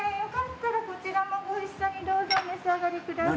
こちらもご一緒にどうぞお召し上がりください。